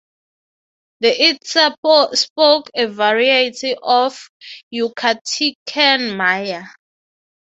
The Itza spoke a variety of Yucatecan Maya.